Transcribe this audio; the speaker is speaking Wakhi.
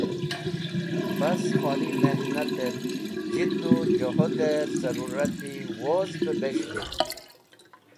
Bas, Kholi Mehnatet Jiddu Juhude Zarurati woz be bes̃h witk.